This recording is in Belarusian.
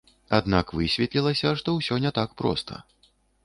Аднак высветлілася, што ўсё не так проста.